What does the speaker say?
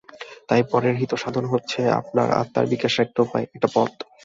তাই পরের হিতসাধন হচ্ছে আপনার আত্মার বিকাশের একটা উপায়, একটা পথ।